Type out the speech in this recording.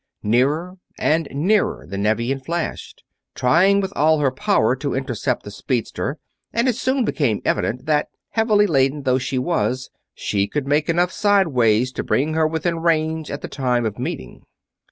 Nearer and nearer the Nevian flashed, trying with all her power to intercept the speedster; and it soon became evident that, heavily laden though she was, she could make enough sideway to bring her within range at the time of meeting.